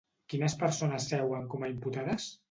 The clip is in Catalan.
Quines persones seuen com a imputades?